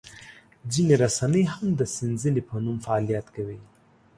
ځینې رسنۍ هم د سنځلې په نوم فعالیت کوي.